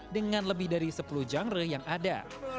dengan lebih dari sepuluh genre yang ada